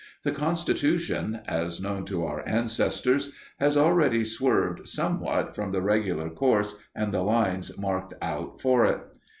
The constitution, as known to our ancestors, has already swerved somewhat from the regular course and the lines marked out for it.